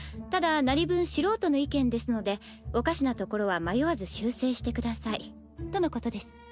ただ何分素人の意見ですのでおかしなところは迷わず修正してください」とのことです。